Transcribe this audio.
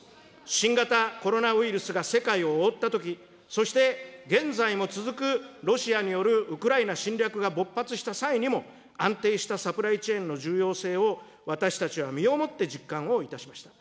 新型コロナウイルスが世界を覆ったとき、そして現在も続くロシアによるウクライナ侵略が勃発した際にも、安定したサプライチェーンの重要性を、私たちは身をもって実感をいたしました。